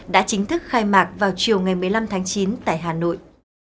đã chính thức khai mạc vào chiều ngày một mươi năm tháng chín tại hà nội